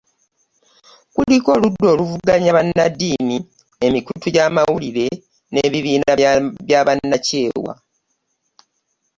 Kuliko oludda oluvuganya, bannaddiini, emikutu gy'amawulirre, ebibiina by'obwannakyewa